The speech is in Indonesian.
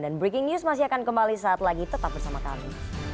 dan breaking news masih akan kembali saat lagi tetap bersama kami